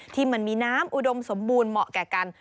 ที่มันมีน้ำอุดมสมบูรณ์เหมาะแก่กัน